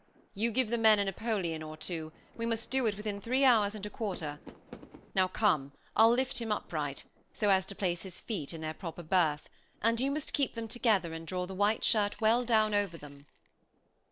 "You give the men a Napoleon or two; we must do it within three hours and a quarter. Now, come; I'll lift him upright, so as to place his feet in their proper berth, and you must keep them together and draw the white shirt well down over them."